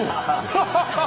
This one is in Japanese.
ハハハッ！